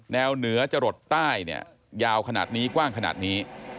วเหนือจะหลดใต้เนี่ยยาวขนาดนี้กว้างขนาดนี้